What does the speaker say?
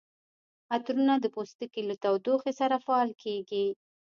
عطرونه د پوستکي له تودوخې سره فعال کیږي.